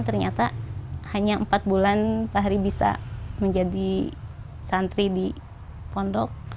ternyata hanya empat bulan fahri bisa menjadi santri di pondok